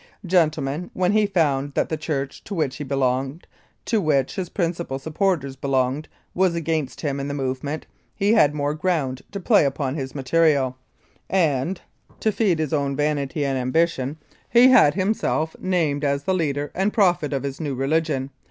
"Gentlemen, when he found that the Church to which he belonged, to which his principal supporters belonged, was against him in the movement, he had more ground to play upon his material, and (to feed his own vanity and 199 Mounted Police Life in Canada ambition) he had himself named as the leader and prophet of his new religion.